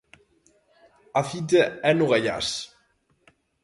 A cita é no Gaiás.